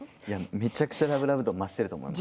めちゃくちゃラブラブ度は増していると思います。